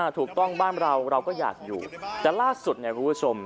ถูกต้องบ้านเราเราก็อยากอยู่แต่ล่าสุดเนี่ยคุณผู้ชม